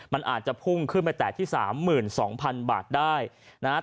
มันอาจจะพุ่งขึ้นไปแต่ที่๓๒๐๐๐บาทได้นะฮะ